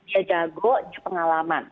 dia jago dia pengalaman